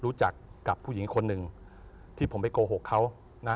รู้จักกับผู้หญิงคนหนึ่งที่ผมไปโกหกเขานะ